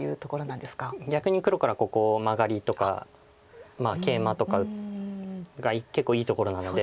逆に黒からここマガリとかまあケイマとかが結構いいところなので。